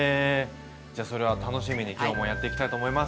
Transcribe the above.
じゃあそれは楽しみに今日もやってきたいと思います。